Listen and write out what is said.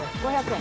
５００円？